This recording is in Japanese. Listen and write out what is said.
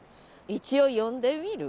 一応呼んでみる？